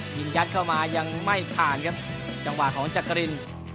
ยิงยัดเข้ามายังไม่ผ่านครับจังหวะของจักริน